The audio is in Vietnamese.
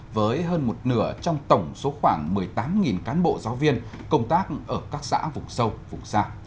với hơn một nửa trong tổng số khoảng một mươi tám cán bộ giáo viên công tác ở các xã vùng sâu vùng xa